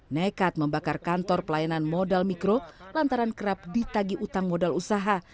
nekat membakar kantor pelayanan modal mikro lantaran kerap ditagi utang modal usaha